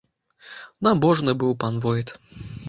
Набожны быў пан войт.